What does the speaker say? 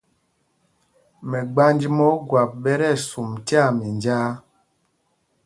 Mɛgbanj mɛ Ogwap ɓɛ tí ɛsum tyaa minjāā.